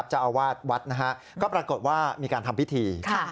เจ้าอาวาสวัดนะฮะก็ปรากฏว่ามีการทำพิธี